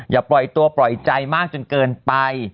อย่าปล่อยตัวปล่อยใจมากจนเกินไป